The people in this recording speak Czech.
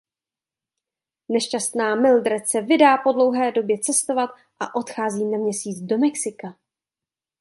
Nešťastná Mildred se vydá po dlouhé době cestovat a odchází na měsíc do Mexika.